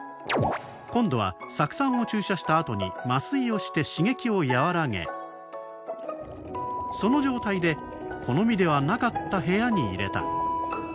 今度は酢酸を注射したあとに麻酔をして刺激を和らげその状態で好みではなかった部屋に入れた。